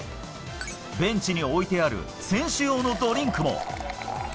ベンチに置いてある選手用のドリンクも。